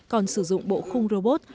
còn sử dụng bộ khung robot